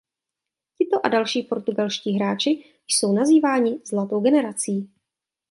Tito a další portugalští hráči jsou nazýváni „Zlatou generací“.